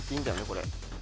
これ。